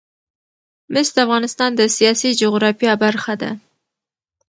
مس د افغانستان د سیاسي جغرافیه برخه ده.